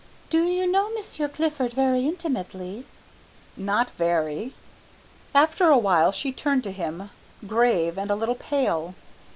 "Do you know Monsieur Clifford very intimately?" "Not very." After a while she turned to him, grave and a little pale.